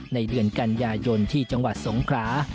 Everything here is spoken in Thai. ในเดือนกันยายนที่จังหวัดสงครา